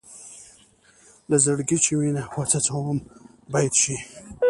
له زړګي چې وينه وڅڅوم بېت شي.